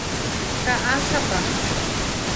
Ka'asapa.